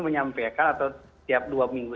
menyampaikan atau setiap dua minggu